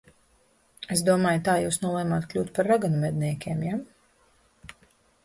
Es domāju, tā jūs nolēmāt kļūt par raganu medniekiem, ja?